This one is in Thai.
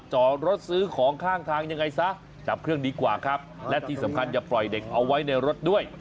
จอดรถซื้อของข้างทางยังไงซะจับเครื่องดีกว่าครับและที่สำคัญอย่าปล่อยเด็กเอาไว้ในรถด้วย